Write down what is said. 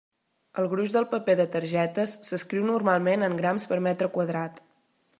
El gruix del paper de targetes s'escriu normalment en grams per metre quadrat.